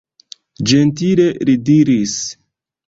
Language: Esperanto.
Ĝentile li diris: